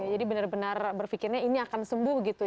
jadi benar benar berpikirnya ini akan sembuh gitu ya